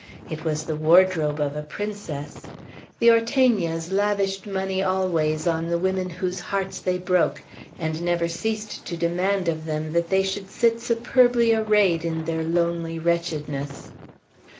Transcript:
It was the wardrobe of a princess. The Ortegnas lavished money always on the women whose hearts they broke; and never ceased to demand of them that they should sit superbly arrayed in their lonely wretchedness.